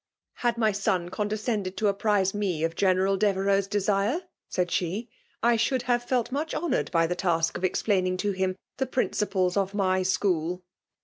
>'' Had my son condescended to a]^ri8e me of General Devereux's desire/* said she, " I should have felt much honoured by the task of explaining to him the principles of ny sobool.'